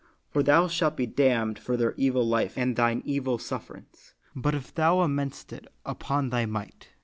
For thou shalt be damned for their evil life and thine evil sufferance, but if thou amendest it upon thy might.